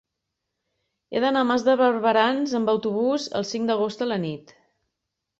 He d'anar a Mas de Barberans amb autobús el cinc d'agost a la nit.